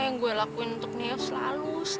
hai revolusi kepiting enaknya buktinya kamu habis tuh